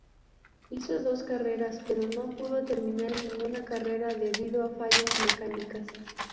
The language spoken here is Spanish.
Hizo dos carreras pero no pudo terminar ninguna carrera debido a fallas mecánicas.